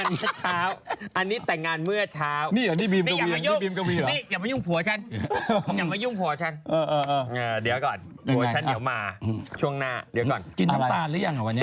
นายล่าคือลูกของกายกับฮารุ